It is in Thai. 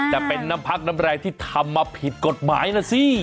แต่เป็นน้ำพักน้ำแรงที่ทำมาผิดกฎหมายนะสิ